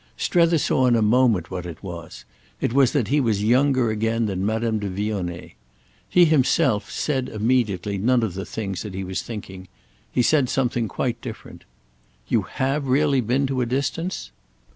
Strether saw in a moment what it was—it was that he was younger again than Madame de Vionnet. He himself said immediately none of the things that he was thinking; he said something quite different. "You have really been to a distance?"